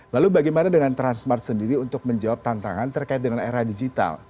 lalu bagaimana dengan transmart sendiri untuk menjawab tantangan terkait dengan era digital